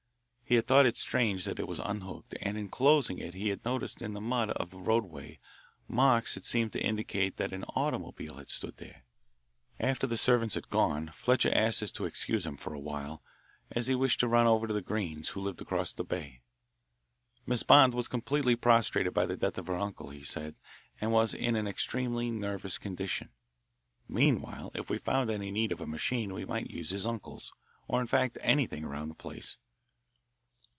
He had thought it strange that it was unhooked, and in closing it he had noticed in the mud of the roadway marks that seemed to indicate that an automobile had stood there. After the servants had gone, Fletcher asked us to excuse him for a while, as he wished to run over to the Greenes', who lived across the bay. Miss Bond was completely prostrated by the death of her uncle, he said, and was in an extremely nervous condition. Meanwhile if we found any need of a machine we might use his uncle's, or in fact anything around the place.